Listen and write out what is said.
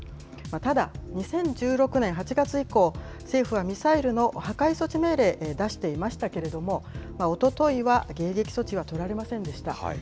ただ、２０１６年８月以降、政府はミサイルの破壊措置命令、出していましたけれども、おとといは迎撃措置は取られませんでした。